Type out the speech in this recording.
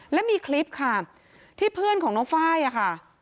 และมีคลิปค่ะที่เพื่อนของน้องไฟล์ค่ะ